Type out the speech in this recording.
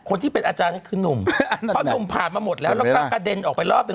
คนที่เป็นอาจารย์ก็คือหนุ่มเพราะหนุ่มผ่านมาหมดแล้วแล้วก็กระเด็นออกไปรอบหนึ่ง